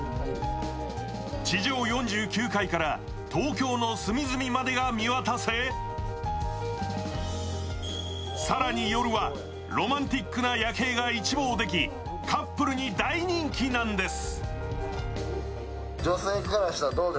地上４９階から東京の隅々までが見渡せ、更に夜はロマンティックな夜景が一望でき、カップルに大人気なんです。